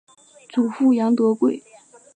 祖父杨德贵。